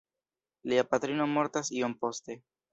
Lia patrino mortas iom poste.